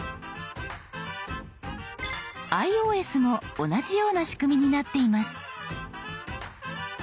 ｉＯＳも同じような仕組みになっています。